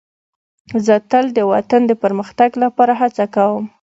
زه تل د وطن د پرمختګ لپاره هڅه کوم.